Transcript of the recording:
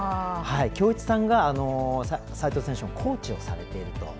恭一さんが齋藤選手のコーチをされていると。